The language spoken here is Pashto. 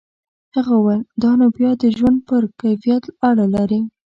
هغه وویل دا نو بیا د ژوند پر کیفیت اړه لري.